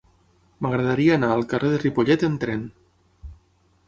M'agradaria anar al carrer de Ripollet amb tren.